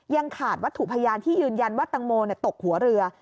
ยังขาดวัตถุพยานที่ยืนยันว่าตังโมตกหัวเรือ